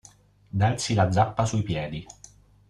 Darsi la zappa sui piedi.